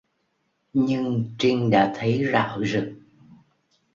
Nhưng trinh đã thấy rạo rực